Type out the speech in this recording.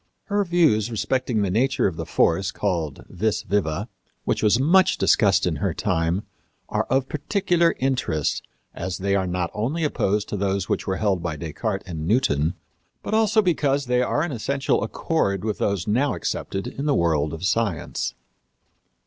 Her views respecting the nature of the force called vis viva, which was much discussed in her time, are of particular interest, as they are not only opposed to those which were held by Descartes and Newton, but also because they are in essential accord with those now accepted in the world of science.